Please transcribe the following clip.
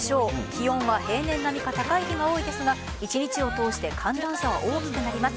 気温は平年並みか高い日が多いですが一日を通して寒暖差は大きくなります。